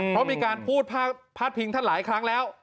เพราะมีการพูดพาดพิงท่านหลายครั้งแล้ว